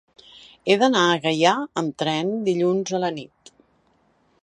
He d'anar a Gaià amb tren dilluns a la nit.